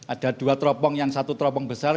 ada dua tropong yang satu tropong besar